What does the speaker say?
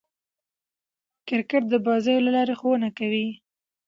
کرکټ د بازيو له لاري ښوونه کوي.